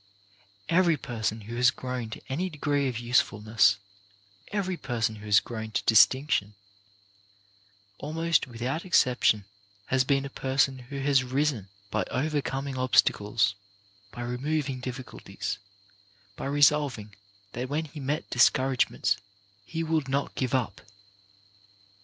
Every person who has grown to any degree of usefulness, every person who has grown to dis tinction, almost without exception has been a 56 CHARACTER BUILDING person who has risen by overcoming obstacles, by removing difficulties, by resolving that when he met discouragements he would not give up.